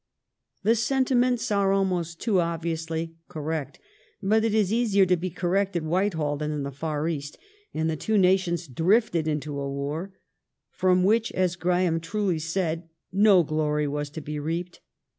..."^ Treaty of The sentiments ai e almost too obviously '* correct ". But it is ^g^2^'"' easier to be " correct " at Whitehall than in the Far East, and the two nations drifted into a war, from which, as Graham truly said, no glory was to be reaped.